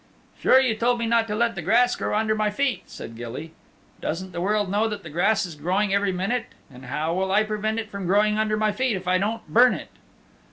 "Sure, you told me not to let the grass grow under my feet," said Gilly. "Doesn't the world know that the grass is growing every minute, and how will I prevent it from growing under my feet if I don't burn it?"